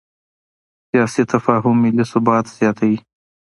سیاسي تفاهم ملي ثبات زیاتوي